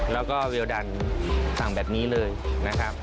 แล้วก็เวลดันสั่งแบบนี้เลยนะครับ